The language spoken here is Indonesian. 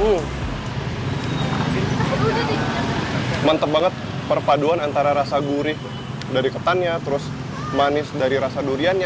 uh mantep banget perpaduan antara rasa gurih dari ketannya terus manis dari rasa duriannya